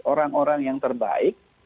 orang orang yang terbaik